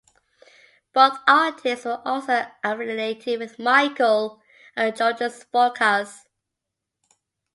Both artists were also affiliated with Michael and Georgios Fokas.